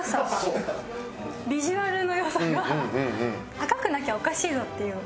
ビジュアルの良さが高くなきゃおかしいぞっていう。